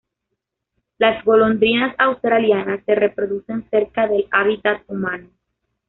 Las golondrinas australianas se reproducen cerca del hábitat humano.